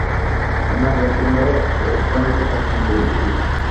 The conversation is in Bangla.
আমি আগামী সোমবার এস্থান হইতে প্রস্থান করিতেছি।